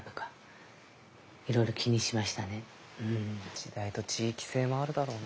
時代と地域性もあるだろうな。